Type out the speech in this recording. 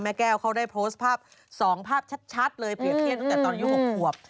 แก้วเขาได้โพสต์ภาพ๒ภาพชัดเลยเปรียบเทียบตั้งแต่ตอนอายุ๖ขวบ